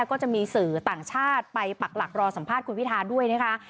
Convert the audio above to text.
ก็จะมีสื่อต่างชาติไปปักหลักรอสัมภาษณ์คุณพิทาด้วยนะคะ